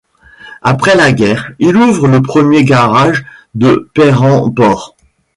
Après la guerre, il ouvre le premier garage de Perranporth.